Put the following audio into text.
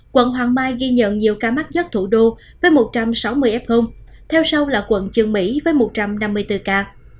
quận hoàng mai ghi nhận nhiều ca mắc nhất thủ đô với một trăm sáu mươi f theo sau là quận trương mỹ với một trăm năm mươi bốn ca